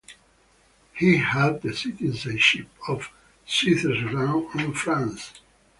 He had the citizenship of Switzerland and France.